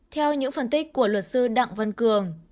theo những phân tích của luật sư đặng văn cường